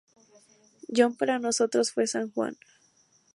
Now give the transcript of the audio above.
John para nosotros fue San Juan.